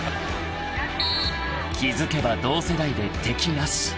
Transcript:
［気付けば同世代で敵なし］